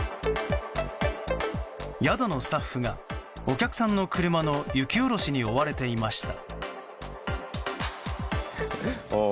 宿のスタッフがお客さんの車の雪下ろしに追われていました。